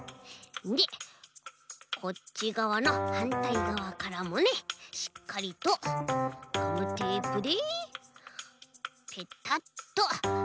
でこっちがわのはんたいがわからもねしっかりとガムテープでペタッとはればどうかな？